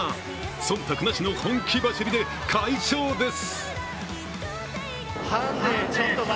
忖度なしの本気走りで快勝です。